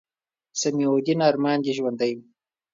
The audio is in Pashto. سمیع الدین ارمان دې ژوندے وي